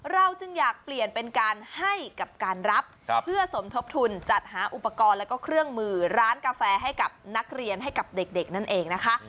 จึงอยากเปลี่ยนเป็นการให้กับการรับเพื่อสมทบทุนจัดหาอุปกรณ์แล้วก็เครื่องมือร้านกาแฟให้กับนักเรียนให้กับเด็กนั่นเองนะคะ